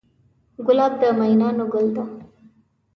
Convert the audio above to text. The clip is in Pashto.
ګلاب د مینانو ګل دی.